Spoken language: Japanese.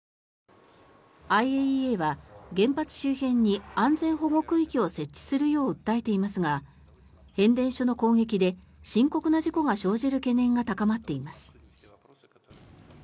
ＩＡＥＡは原発周辺に安全保護区域を設置するよう訴えていますが変電所の攻撃で深刻な事故が生じる懸念が高まっています。